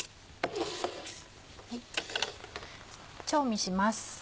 調味します